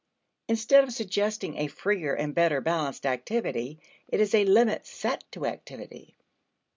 Instead of suggesting a freer and better balanced activity, it is a limit set to activity.